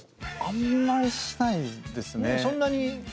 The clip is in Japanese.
あんまりしないですね。